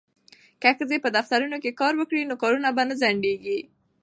که ښځې په دفترونو کې کار وکړي نو کارونه به نه ځنډیږي.